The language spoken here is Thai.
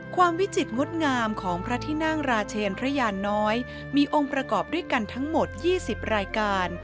วิจิตรงดงามของพระที่นั่งราชเชนพระยานน้อยมีองค์ประกอบด้วยกันทั้งหมด๒๐รายการ